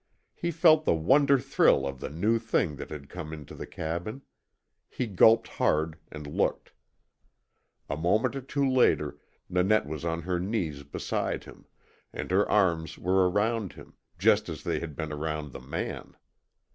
He felt the wonder thrill of the new thing that had come into the cabin; he gulped hard, and looked. A moment or two later Nanette was on her knees beside him, and her arms were around him, just as they had been around the man.